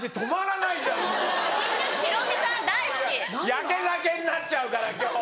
やけ酒になっちゃうから今日。